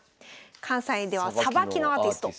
関西ではさばきのアーティスト。